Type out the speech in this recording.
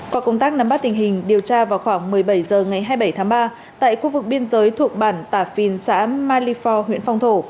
qua công tác nắm bắt tình hình điều tra vào khoảng một mươi bảy h ngày hai mươi bảy tháng ba tại khu vực biên giới thuộc bản tà phìn xã malifor huyện phong thổ